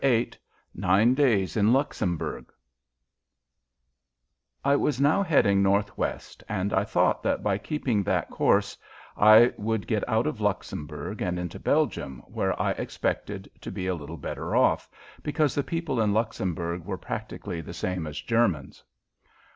VIII NINE DAYS IN LUXEMBOURG I was now heading northwest and I thought that by keeping that course I would get out of Luxembourg and into Belgium, where I expected to be a little better off, because the people in Luxembourg were practically the same as Germans.